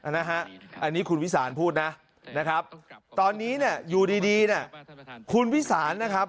นะฮะอันนี้คุณวิสานพูดนะตอนนี้อยู่ดีคุณวิสานนะ